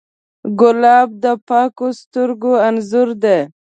ګلاب د پاکو سترګو انځور دی.